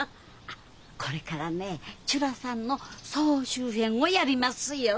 これからね「ちゅらさん」の総集編をやりますよ。